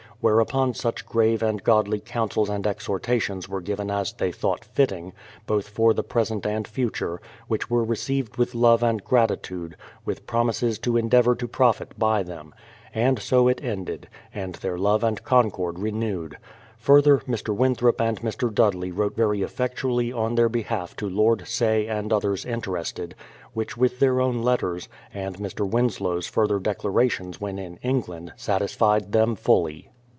Whereupon such grave and godly counsels and exhortations were given as they thought fitting, both for thelpresent and future, which were received with love and gratitude, with promises to endeavour to profit by them. And so it ended, and their love and concord renewed. Further, Mr, Winthrop and Mr. Dudley wrote very eflfectually on their behalf to Lord Say and others interested, which with their own letters, and Mr. Winslow's further declarations when in England, satisfied them fully.